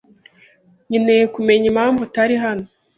Nkeneye kumenya impamvu utari hano.